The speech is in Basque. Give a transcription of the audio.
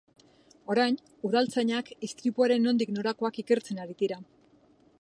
Orain, udaltzainak istripuaren nondik norakoak ikertzen ari dira.